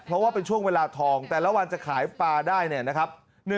เพราะว่าเป็นช่วงเวลาทองแต่ละวันจะขายปลาได้เนี่ยนะครับ